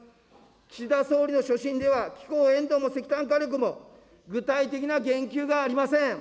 岸田総理の所信では、気候変動も石炭火力も、具体的な言及がありません。